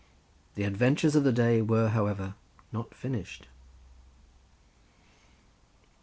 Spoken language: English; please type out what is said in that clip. The adventures of the day were, however, not finished.